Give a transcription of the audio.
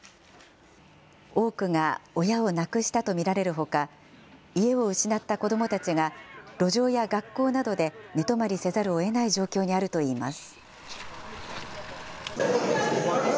多くが親を亡くしたと見られるほか、家を失った子どもたちが路上や学校などで寝泊りせざるをえない状況にあるといいます。